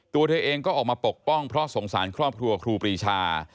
ตัวเธอเองก็ออกมาปกป้องเพราะสงสารครอบครัวครูปรีชา